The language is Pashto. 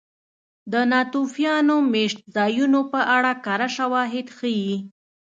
د ناتوفیان مېشتځایونو په اړه کره شواهد ښيي.